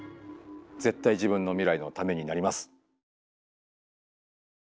絶対自分の未来のためになります。